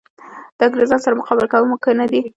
د انګرېزانو سره مقابله کول ممکن نه دي.